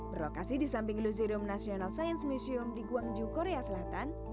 berlokasi di samping lusidoum national science museum di guangzhou korea selatan